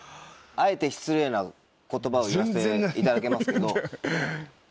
あえて失礼な言葉を言わせていただきますけど。